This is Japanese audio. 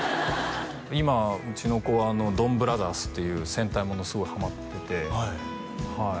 今うちの子「ドンブラザーズ」っていう戦隊ものすごいハマっててはい